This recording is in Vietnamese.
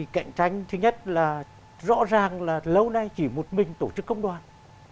cạnh tranh thứ nhất là rõ ràng là lâu nay chỉ một mình tổ chức công đoàn